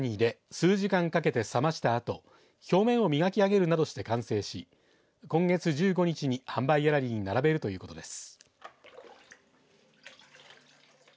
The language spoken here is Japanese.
数時間かけて冷ましたあと表面を磨き上げるなどして完成し今月１５日に販売ギャラリーに並べるということです。